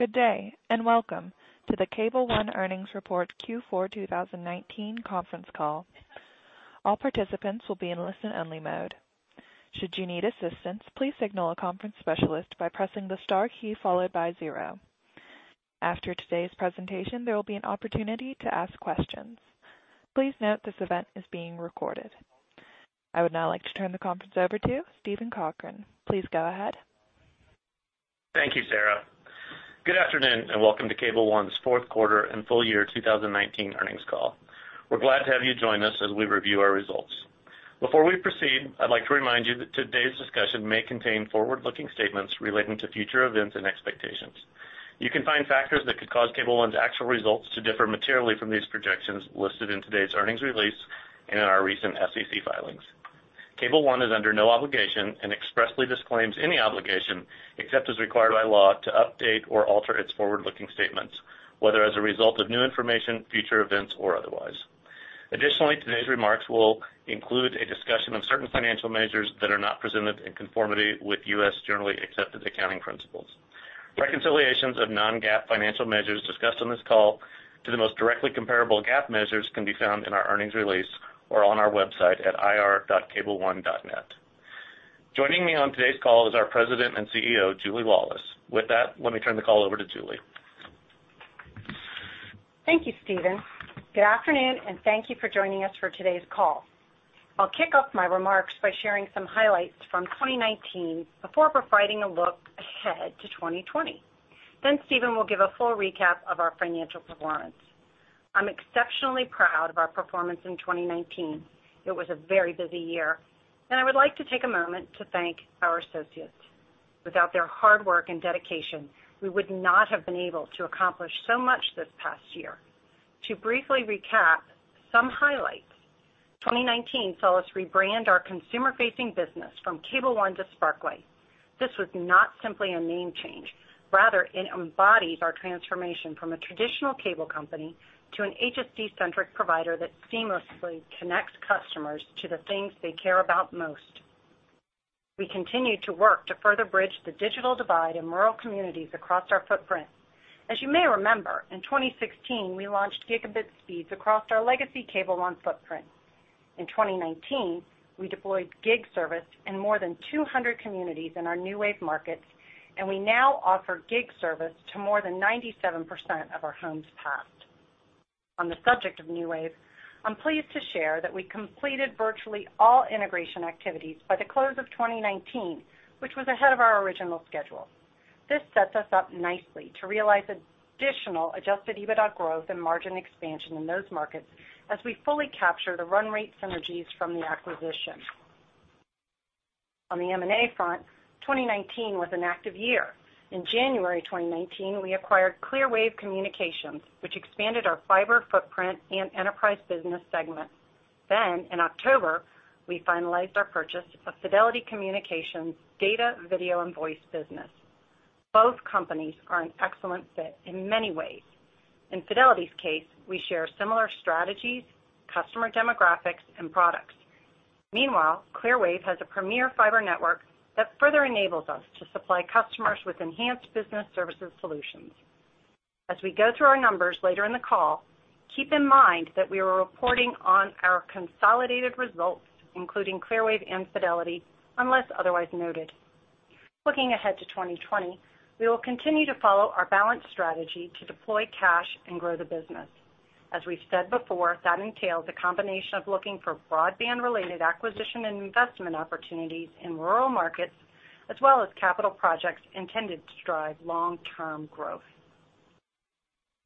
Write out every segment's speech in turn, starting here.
Good day, welcome to the Cable One earnings report Q4 2019 conference call. All participants will be in listen-only mode. Should you need assistance, please signal a conference specialist by pressing the star key followed by zero. After today's presentation, there will be an opportunity to ask questions. Please note this event is being recorded. I would now like to turn the conference over to Steven Cochran. Please go ahead. Thank you, Sarah. Good afternoon, and welcome to Cable One's fourth quarter and full year 2019 earnings call. We're glad to have you join us as we review our results. Before we proceed, I'd like to remind you that today's discussion may contain forward-looking statements relating to future events and expectations. You can find factors that could cause Cable One's actual results to differ materially from these projections listed in today's earnings release and in our recent SEC filings. Cable One is under no obligation and expressly disclaims any obligation, except as required by law, to update or alter its forward-looking statements, whether as a result of new information, future events, or otherwise. Additionally, today's remarks will include a discussion of certain financial measures that are not presented in conformity with U.S. Generally Accepted Accounting Principles. Reconciliations of non-GAAP financial measures discussed on this call to the most directly comparable GAAP measures can be found in our earnings release or on our website at ir.cableone.net. Joining me on today's call is our President and CEO, Julie Laulis. With that, let me turn the call over to Julie. Thank you, Steven. Good afternoon, and thank you for joining us for today's call. I'll kick off my remarks by sharing some highlights from 2019 before providing a look ahead to 2020. Steven will give a full recap of our financial performance. I'm exceptionally proud of our performance in 2019. It was a very busy year, and I would like to take a moment to thank our associates. Without their hard work and dedication, we would not have been able to accomplish so much this past year. To briefly recap some highlights, 2019 saw us rebrand our consumer-facing business from Cable One to Sparklight. This was not simply a name change. Rather, it embodies our transformation from a traditional cable company to an HSD-centric provider that seamlessly connects customers to the things they care about most. We continue to work to further bridge the digital divide in rural communities across our footprint. As you may remember, in 2016, we launched gigabit speeds across our legacy Cable One footprint. In 2019, we deployed gig service in more than 200 communities in our NewWave markets, and we now offer gig service to more than 97% of our homes passed. On the subject of NewWave, I'm pleased to share that we completed virtually all integration activities by the close of 2019, which was ahead of our original schedule. This sets us up nicely to realize additional adjusted EBITDA growth and margin expansion in those markets as we fully capture the run rate synergies from the acquisition. On the M&A front, 2019 was an active year. In January 2019, we acquired Clearwave Communications, which expanded our fiber footprint and enterprise business segment. In October, we finalized our purchase of Fidelity Communications' data, video, and voice business. Both companies are an excellent fit in many ways. In Fidelity's case, we share similar strategies, customer demographics, and products. Meanwhile, Clearwave has a premier fiber network that further enables us to supply customers with enhanced business services solutions. As we go through our numbers later in the call, keep in mind that we are reporting on our consolidated results, including Clearwave and Fidelity, unless otherwise noted. Looking ahead to 2020, we will continue to follow our balanced strategy to deploy cash and grow the business. As we've said before, that entails a combination of looking for broadband-related acquisition and investment opportunities in rural markets, as well as capital projects intended to drive long-term growth.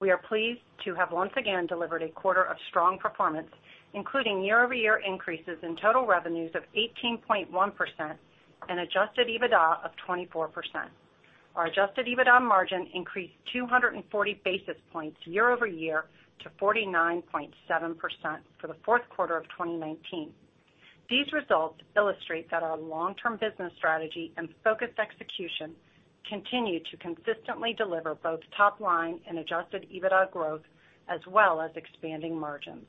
We are pleased to have once again delivered a quarter of strong performance, including year-over-year increases in total revenues of 18.1% and adjusted EBITDA of 24%. Our adjusted EBITDA margin increased 240 basis points year-over-year to 49.7% for the fourth quarter of 2019. These results illustrate that our long-term business strategy and focused execution continue to consistently deliver both top-line and adjusted EBITDA growth, as well as expanding margins.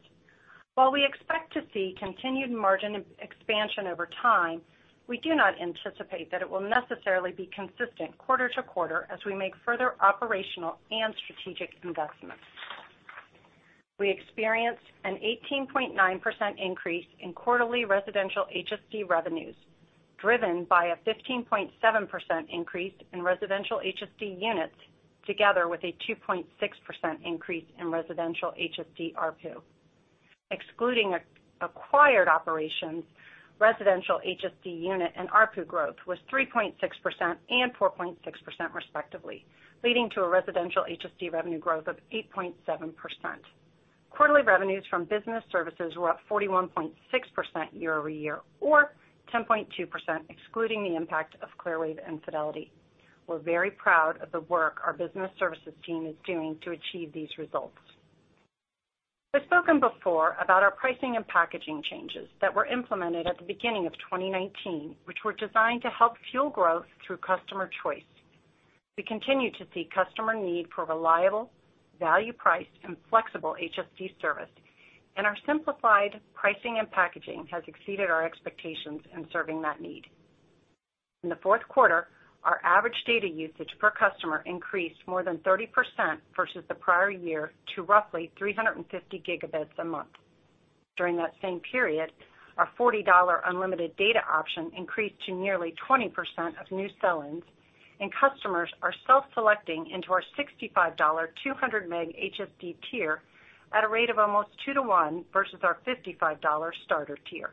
While we expect to see continued margin expansion over time, we do not anticipate that it will necessarily be consistent quarter to quarter as we make further operational and strategic investments. We experienced an 18.9% increase in quarterly residential HSD revenues, driven by a 15.7% increase in residential HSD units together with a 2.6% increase in residential HSD ARPU. Excluding acquired operations, residential HSD unit and ARPU growth was 3.6% and 4.6% respectively, leading to a residential HSD revenue growth of 8.7%. Quarterly revenues from business services were up 41.6% year-over-year, or 10.2% excluding the impact of Clearwave and Fidelity. We're very proud of the work our business services team is doing to achieve these results. We've spoken before about our pricing and packaging changes that were implemented at the beginning of 2019, which were designed to help fuel growth through customer choice. We continue to see customer need for reliable, value-priced, and flexible HSD service. Our simplified pricing and packaging has exceeded our expectations in serving that need. In the fourth quarter, our average data usage per customer increased more than 30% versus the prior year to roughly 350 Gb a month. During that same period, our $40 unlimited data option increased to nearly 20% of new sell-ins. Customers are self-selecting into our $65 200 Mbps HSD tier at a rate of almost 2:1 versus our $55 starter tier.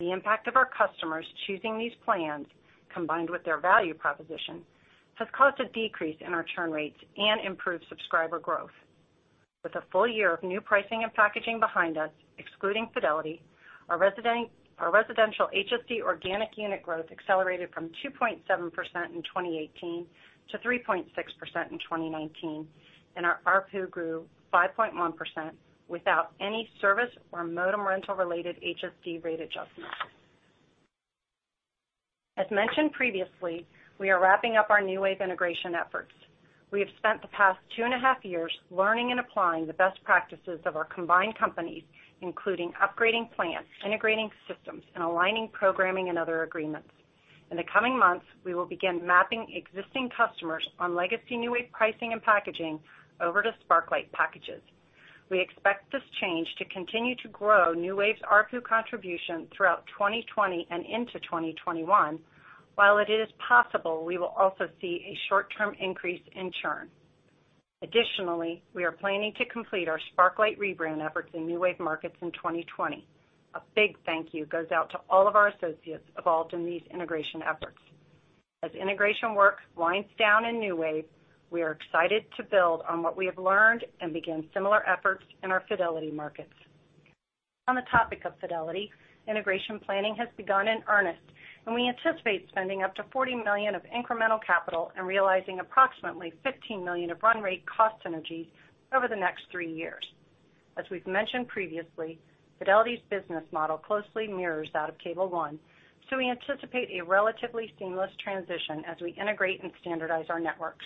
The impact of our customers choosing these plans, combined with their value proposition, has caused a decrease in our churn rates and improved subscriber growth. With a full year of new pricing and packaging behind us, excluding Fidelity, our residential HSD organic unit growth accelerated from 2.7% in 2018 to 3.6% in 2019, and our ARPU grew 5.1% without any service or modem rental related HSD rate adjustments. As mentioned previously, we are wrapping up our NewWave integration efforts. We have spent the past two and a half years learning and applying the best practices of our combined companies, including upgrading plans, integrating systems, and aligning programming and other agreements. In the coming months, we will begin mapping existing customers on legacy NewWave pricing and packaging over to Sparklight packages. We expect this change to continue to grow NewWave's ARPU contribution throughout 2020 and into 2021, while it is possible we will also see a short-term increase in churn. Additionally, we are planning to complete our Sparklight rebrand efforts in NewWave markets in 2020. A big thank you goes out to all of our associates involved in these integration efforts. As integration work winds down in NewWave, we are excited to build on what we have learned and begin similar efforts in our Fidelity markets. On the topic of Fidelity, integration planning has begun in earnest, we anticipate spending up to $40 million of incremental capital and realizing approximately $15 million of run rate cost synergies over the next three years. As we've mentioned previously, Fidelity's business model closely mirrors that of Cable One, we anticipate a relatively seamless transition as we integrate and standardize our networks.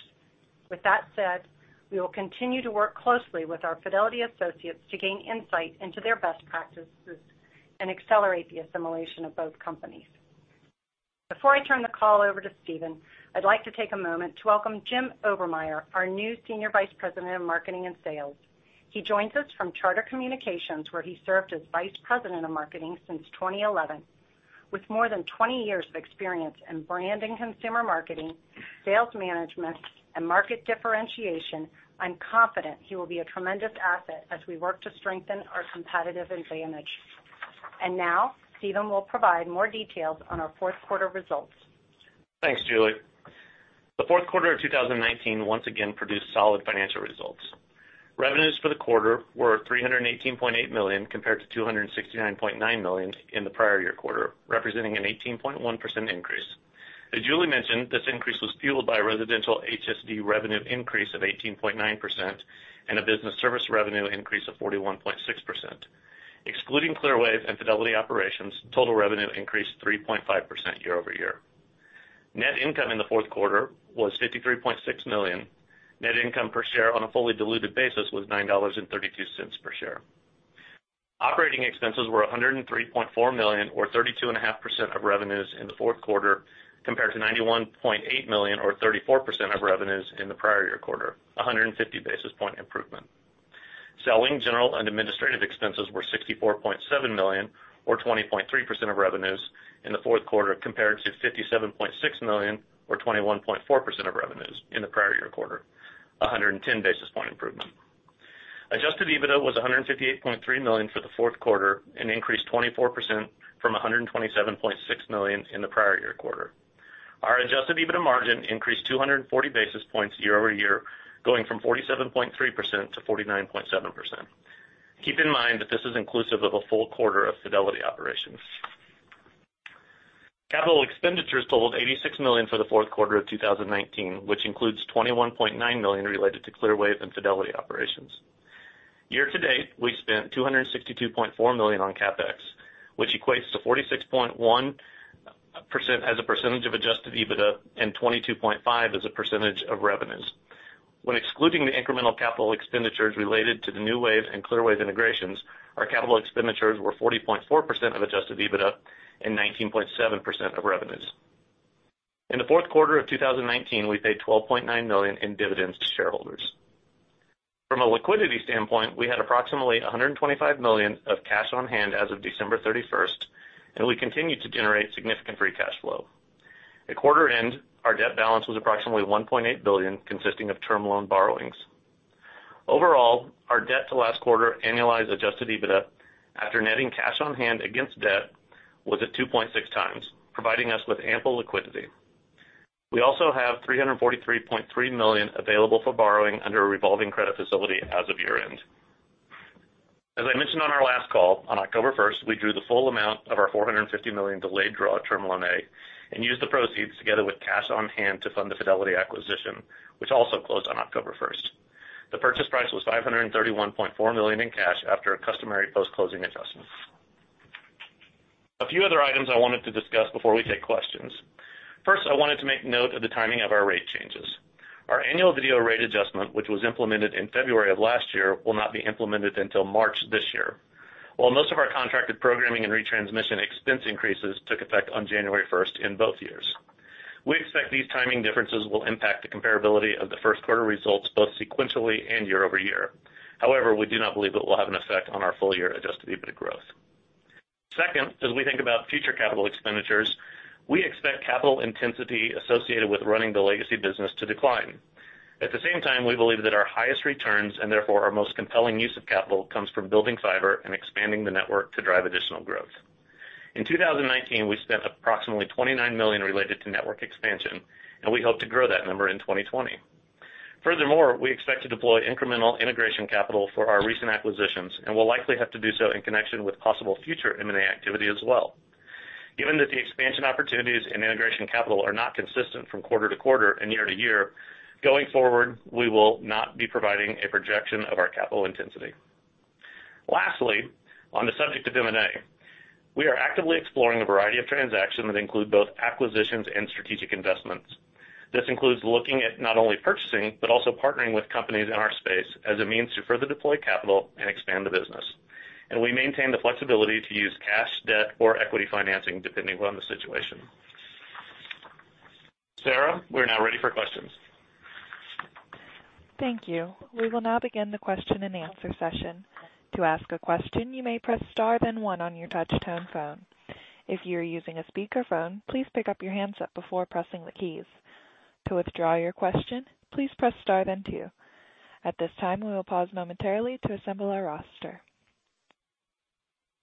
With that said, we will continue to work closely with our Fidelity associates to gain insight into their best practices and accelerate the assimilation of both companies. Before I turn the call over to Steven, I'd like to take a moment to welcome Jim Obermeyer, our new Senior Vice President of Marketing and Sales. He joins us from Charter Communications, where he served as Vice President of Marketing since 2011. With more than 20 years of experience in branding, consumer marketing, sales management, and market differentiation, I'm confident he will be a tremendous asset as we work to strengthen our competitive advantage. Now Steven will provide more details on our fourth quarter results. Thanks, Julie. The fourth quarter of 2019 once again produced solid financial results. Revenues for the quarter were $318.8 million, compared to $269.9 million in the prior year quarter, representing an 18.1% increase. As Julie mentioned, this increase was fueled by residential HSD revenue increase of 18.9% and a business service revenue increase of 41.6%. Excluding Clearwave and Fidelity operations, total revenue increased 3.5% year-over-year. Net income in the fourth quarter was $53.6 million. Net income per share on a fully diluted basis was $9.32 per share. Operating expenses were $103.4 million or 32.5% of revenues in the fourth quarter, compared to $91.8 million or 34% of revenues in the prior year quarter, a 150 basis point improvement. Selling, general, and administrative expenses were $64.7 million or 20.3% of revenues in the fourth quarter compared to $57.6 million or 21.4% of revenues in the prior year quarter, a 110 basis point improvement. Adjusted EBITDA was $158.3 million for the fourth quarter and increased 24% from $127.6 million in the prior year quarter. Our adjusted EBITDA margin increased 240 basis points year-over-year, going from 47.3% to 49.7%. Keep in mind that this is inclusive of a full quarter of Fidelity operations. Capital expenditures totaled $86 million for the fourth quarter of 2019, which includes $21.9 million related to Clearwave and Fidelity operations. Year to date, we spent $262.4 million on CapEx, which equates to 46.1% as a percentage of adjusted EBITDA and 22.5% as a percentage of revenues. When excluding the incremental capital expenditures related to the NewWave and Clearwave integrations, our capital expenditures were 40.4% of adjusted EBITDA and 19.7% of revenues. In the fourth quarter of 2019, we paid $12.9 million in dividends to shareholders. From a liquidity standpoint, we had approximately $125 million of cash on hand as of December 31st, and we continue to generate significant free cash flow. At quarter end, our debt balance was approximately $1.8 billion, consisting of term loan borrowings. Overall, our debt to last quarter annualized adjusted EBITDA after netting cash on hand against debt was at 2.6x, providing us with ample liquidity. We also have $343.3 million available for borrowing under a revolving credit facility as of year-end. As I mentioned on our last call, on October 1st, we drew the full amount of our $450 million delayed draw term loan A and used the proceeds together with cash on hand to fund the Fidelity acquisition, which also closed on October 1st. The purchase price was $531.4 million in cash after a customary post-closing adjustment. A few other items I wanted to discuss before we take questions. First, I wanted to make note of the timing of our rate changes. Our annual video rate adjustment, which was implemented in February of last year, will not be implemented until March this year. While most of our contracted programming and retransmission expense increases took effect on January 1st in both years. We expect these timing differences will impact the comparability of the first quarter results, both sequentially and year-over-year. We do not believe it will have an effect on our full year adjusted EBIT growth. Second, as we think about future capital expenditures, we expect capital intensity associated with running the legacy business to decline. At the same time, we believe that our highest returns, and therefore our most compelling use of capital, comes from building fiber and expanding the network to drive additional growth. In 2019, we spent approximately $29 million related to network expansion, and we hope to grow that number in 2020. Furthermore, we expect to deploy incremental integration capital for our recent acquisitions, and will likely have to do so in connection with possible future M&A activity as well. Given that the expansion opportunities in integration capital are not consistent from quarter to quarter and year to year, going forward, we will not be providing a projection of our capital intensity. Lastly, on the subject of M&A, we are actively exploring a variety of transactions that include both acquisitions and strategic investments. This includes looking at not only purchasing, but also partnering with companies in our space as a means to further deploy capital and expand the business. We maintain the flexibility to use cash, debt, or equity financing, depending on the situation. Sarah, we're now ready for questions. Thank you. We will now begin the question and answer session. To ask a question, you may press star then one on your touch-tone phone. If you are using a speakerphone, please pick up your handset before pressing the keys. To withdraw your question, please press star then two. At this time, we will pause momentarily to assemble our roster.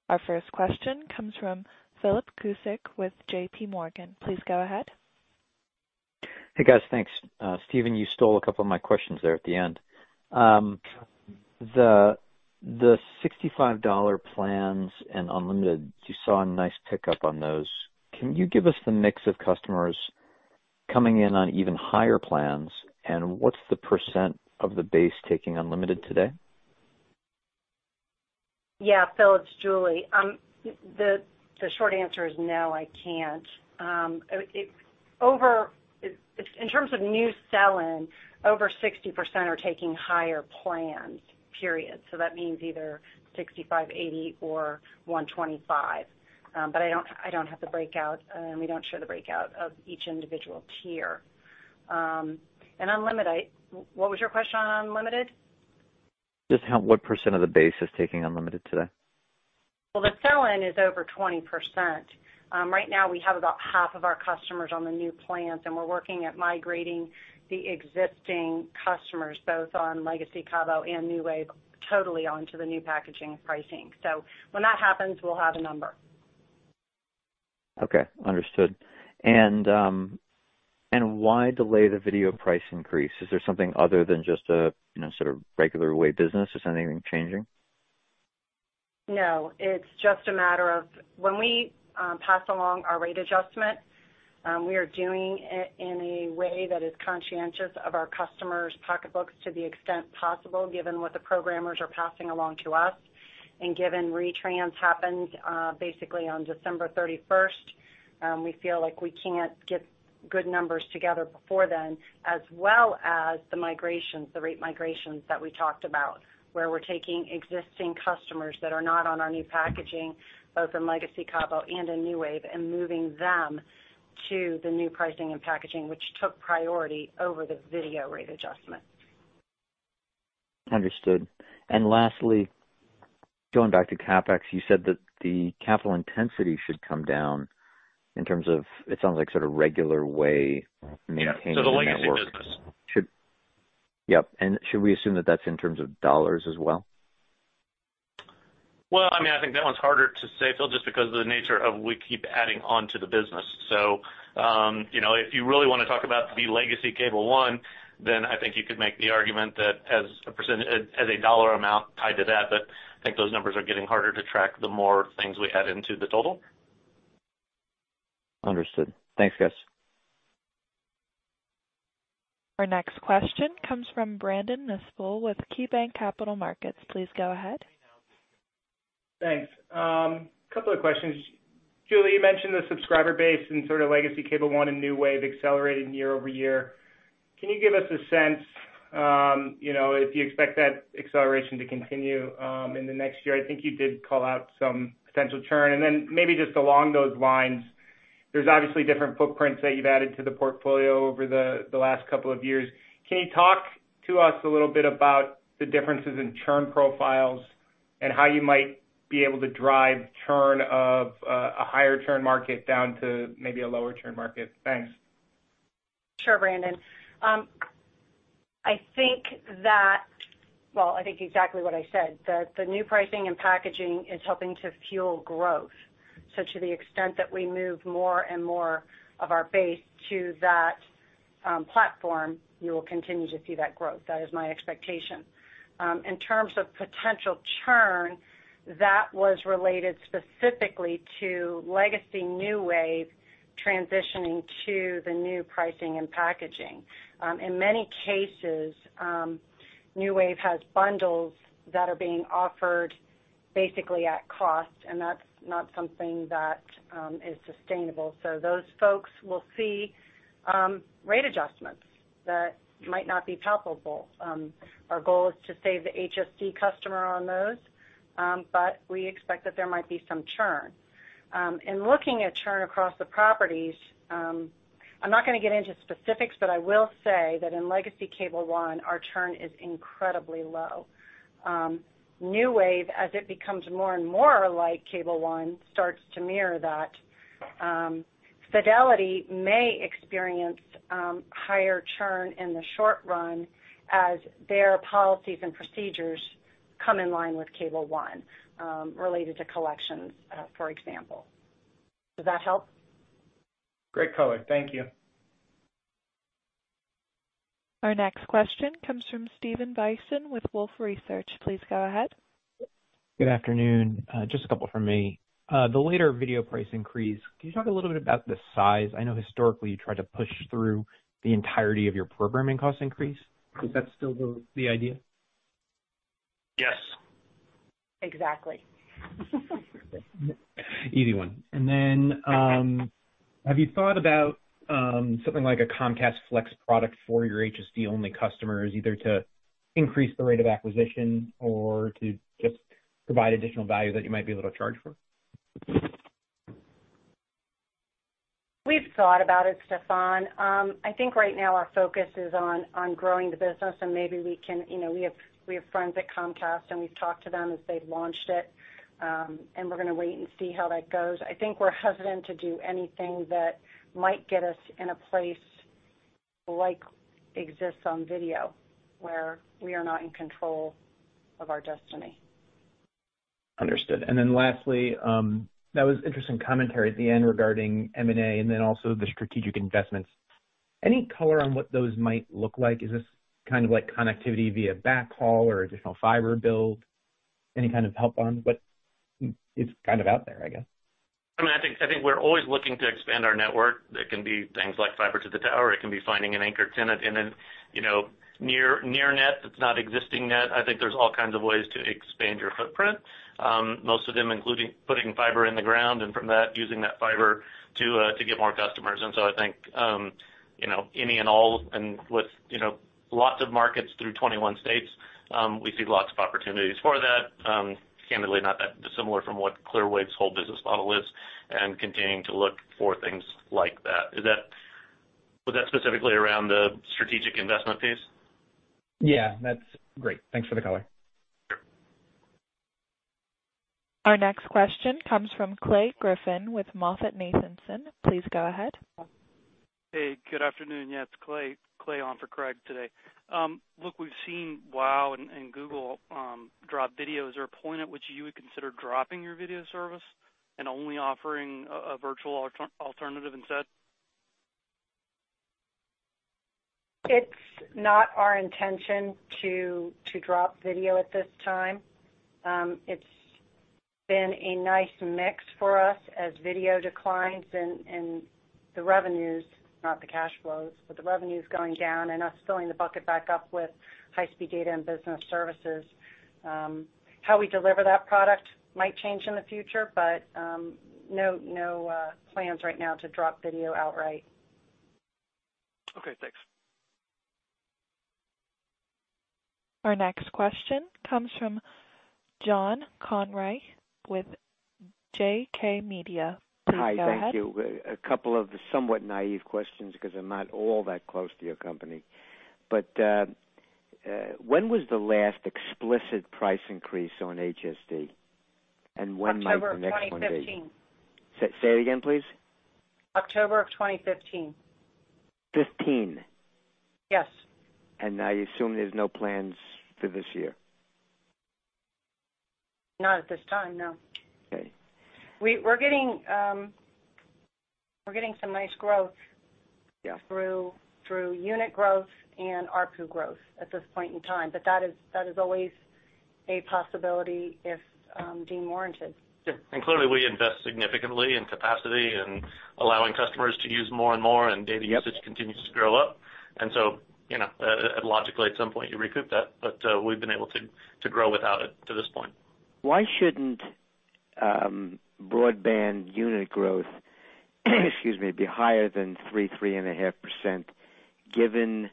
Our first question comes from Philip Cusick with JPMorgan. Please go ahead. Hey, guys. Thanks. Steven, you stole a couple of my questions there at the end. The $65 plans and unlimited, you saw a nice pickup on those. Can you give us the mix of customers coming in on even higher plans, and what's the percent of the base taking unlimited today? Yeah, Phil, it's Julie. The short answer is no, I can't. In terms of new sell-in, over 60% are taking higher plans, period. That means either $65, $80, or $125. I don't have the breakout, and we don't share the breakout of each individual tier. Unlimited, what was your question on unlimited? Just what percent of the base is taking unlimited today? Well, the sell-in is over 20%. Right now, we have about half of our customers on the new plans, and we're working at migrating the existing customers, both on legacy Cable One and NewWave, totally onto the new packaging pricing. When that happens, we'll have a number. Okay. Understood. Why delay the video price increase? Is there something other than just sort of regular way business? Is anything changing? No. It's just a matter of when we pass along our rate adjustment, we are doing it in a way that is conscientious of our customers' pocketbooks to the extent possible, given what the programmers are passing along to us. Given retrans happened basically on December 31st, we feel like we can't get good numbers together before then, as well as the migrations, the rate migrations that we talked about, where we're taking existing customers that are not on our new packaging, both in legacy Cable One and in NewWave, and moving them to the new pricing and packaging, which took priority over the video rate adjustment. Understood. Lastly, going back to CapEx, you said that the capital intensity should come down in terms of, it sounds like sort of regular way maintaining the network. Yeah. The legacy business. Yep. Should we assume that that's in terms of dollars as well? I think that one's harder to say, Phil, just because of the nature of we keep adding on to the business. If you really want to talk about the legacy Cable One, then I think you could make the argument that as a dollar amount tied to that. I think those numbers are getting harder to track the more things we add into the total. Understood. Thanks, guys. Our next question comes from Brandon Nispel with KeyBanc Capital Markets. Please go ahead. Thanks. Couple of questions. Julie, you mentioned the subscriber base and sort of legacy Cable One and NewWave accelerating year-over-year. Can you give us a sense if you expect that acceleration to continue in the next year? I think you did call out some potential churn. Then maybe just along those lines, there's obviously different footprints that you've added to the portfolio over the last couple of years. Can you talk to us a little bit about the differences in churn profiles and how you might be able to drive churn of a higher churn market down to maybe a lower churn market? Thanks. Sure, Brandon. I think exactly what I said, that the new pricing and packaging is helping to fuel growth. To the extent that we move more and more of our base to that platform, you will continue to see that growth. That is my expectation. In terms of potential churn, that was related specifically to legacy NewWave transitioning to the new pricing and packaging. In many cases, NewWave has bundles that are being offered basically at cost, and that's not something that is sustainable. Those folks will see rate adjustments that might not be palatable. Our goal is to save the HSD customer on those, but we expect that there might be some churn. In looking at churn across the properties, I'm not going to get into specifics, but I will say that in legacy Cable One, our churn is incredibly low. NewWave, as it becomes more and more like Cable One, starts to mirror that. Fidelity may experience higher churn in the short run as their policies and procedures come in line with Cable One related to collections, for example. Does that help? Great color. Thank you. Our next question comes from Stephan Bisson with Wolfe Research. Please go ahead. Good afternoon. Just a couple from me. The later video price increase, can you talk a little bit about the size? I know historically you try to push through the entirety of your programming cost increase. Is that still the idea? Yes. Exactly. Easy one. Have you thought about something like a Comcast Flex product for your HSD-only customers, either to increase the rate of acquisition or to just provide additional value that you might be able to charge for? We've thought about it, Stephan. I think right now our focus is on growing the business. We have friends at Comcast, and we've talked to them as they've launched it. We're going to wait and see how that goes. I think we're hesitant to do anything that might get us in a place like exists on video, where we are not in control of our destiny. Understood. Then lastly, that was interesting commentary at the end regarding M&A and then also the strategic investments. Any color on what those might look like? Is this kind of like connectivity via backhaul or additional fiber build? Any kind of help on what is kind of out there, I guess? I think we're always looking to expand our network. It can be things like fiber to the tower. It can be finding an anchor tenant in a near net that's not existing net. I think there's all kinds of ways to expand your footprint. Most of them including putting fiber in the ground and from that, using that fiber to get more customers. I think, any and all, and with lots of markets through 21 states, we see lots of opportunities for that. Candidly, not that dissimilar from what Clearwave's whole business model is and continuing to look for things like that. Was that specifically around the strategic investment piece? Yeah. That's great. Thanks for the color. Our next question comes from Clay Griffin with MoffettNathanson. Please go ahead. Hey, good afternoon. Yeah, it's Clay. Clay on for Craig today. Look, we've seen WOW! and Google drop video. Is there a point at which you would consider dropping your video service and only offering a virtual alternative instead? It's not our intention to drop video at this time. It's been a nice mix for us as video declines and the revenues, not the cash flows, but the revenues going down and us filling the bucket back up with high-speed data and business services. How we deliver that product might change in the future, but no plans right now to drop video outright. Okay, thanks. Our next question comes from John Kornreich with JK Media. Please go ahead. Hi. Thank you. A couple of somewhat naive questions because I'm not all that close to your company. When was the last explicit price increase on HSD? When might the next one be? October of 2015. Say it again, please. October of 2015. 2015? Yes. I assume there's no plans for this year? Not at this time, no. Okay. We're getting some nice growth. Yeah. Through unit growth and ARPU growth at this point in time, but that is always a possibility if deemed warranted. Yeah. Clearly, we invest significantly in capacity and allowing customers to use more and more, and data usage continues to grow up. Logically, at some point, you recoup that. We've been able to grow without it to this point. Why shouldn't broadband unit growth excuse me, be higher than 3%, 3.5% given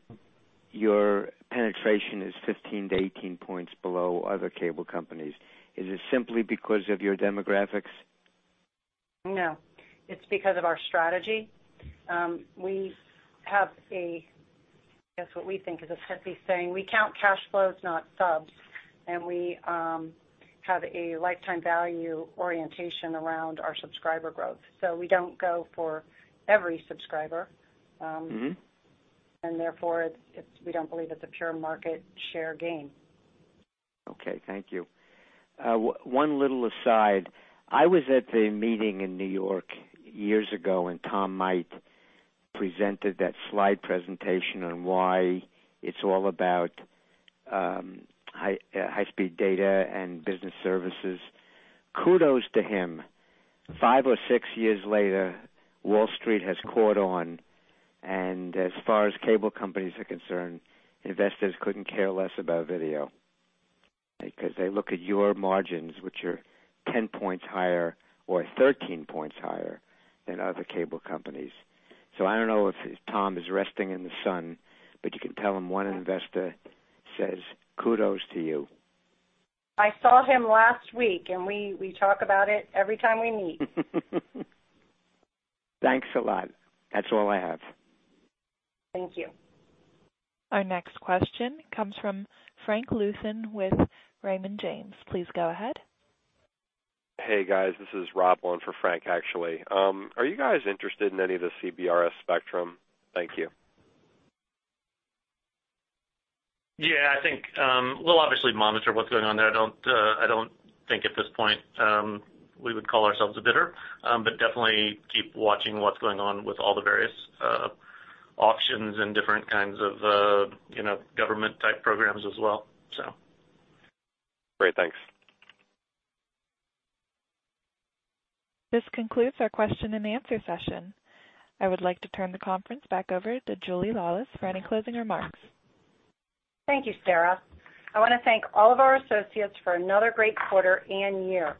your penetration is 15-18 points below other cable companies? Is it simply because of your demographics? No. It's because of our strategy. We have a, I guess what we think is a hippie saying, we count cash flows, not subs. We have a lifetime value orientation around our subscriber growth. We don't go for every subscriber. Therefore, we don't believe it's a pure market share gain. Okay, thank you. One little aside. I was at the meeting in New York years ago, and Tom Might presented that slide presentation on why it's all about high-speed data and business services. Kudos to him. Five or six years later, Wall Street has caught on, and as far as cable companies are concerned, investors couldn't care less about video because they look at your margins, which are 10 points higher or 13 points higher than other cable companies. I don't know if Tom is resting in the sun, but you can tell him one investor says kudos to you. I saw him last week, and we talk about it every time we meet. Thanks a lot. That's all I have. Thank you. Our next question comes from Frank Louthan with Raymond James. Please go ahead. Hey, guys. This is Rob on for Frank, actually. Are you guys interested in any of the CBRS spectrum? Thank you. Yeah, I think we'll obviously monitor what's going on there. I don't think at this point we would call ourselves a bidder. Definitely keep watching what's going on with all the various auctions and different kinds of government type programs as well. Great. Thanks. This concludes our question and answer session. I would like to turn the conference back over to Julie Laulis for any closing remarks. Thank you, Sarah. I want to thank all of our associates for another great quarter and year.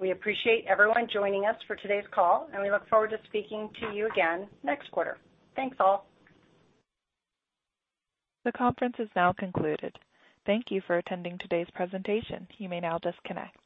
We appreciate everyone joining us for today's call, and we look forward to speaking to you again next quarter. Thanks, all. The conference is now concluded. Thank you for attending today's presentation. You may now disconnect.